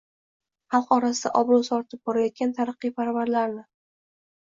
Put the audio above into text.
xalq orasida obro'si ortib borayotgan taraqqiyparvarlarni